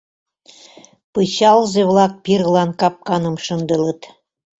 Пычалзе-влак пирылан капканым шындылыт.